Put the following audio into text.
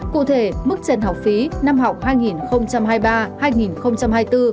cụ thể mức trần học phí năm học hai nghìn hai mươi ba hai nghìn hai mươi bốn